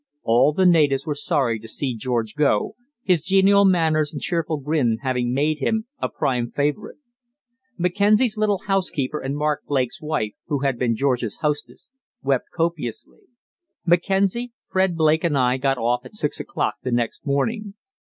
All the natives were sorry to see George go, his genial manners and cheerful grin having made him a prime favourite. Mackenzie's little housekeeper and Mark Blake's wife, who had been George's hostess, wept copiously. Mackenzie, Fred Blake, and I got off at six o'clock the next morning.